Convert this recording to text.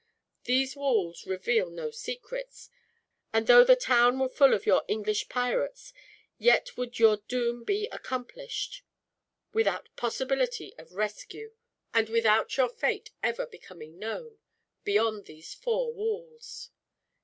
These walls reveal no secrets, and though the town were full of your English pirates, yet would your doom be accomplished; without a possibility of rescue, and without your fate ever becoming known, beyond these four walls.